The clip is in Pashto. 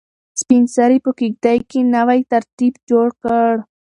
سپین سرې په کيږدۍ کې نوی ترتیب جوړ کړ.